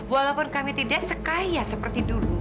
walaupun kami tidak sekaya seperti dulu